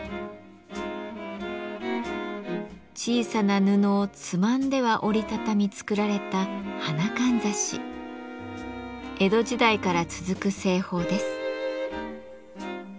小さな布をつまんでは折り畳み作られた江戸時代から続く製法です。